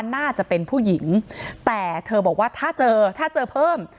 น่าจะเป็นผู้หญิงแต่เธอบอกว่าถ้าเจอถ้าเจอเพิ่ม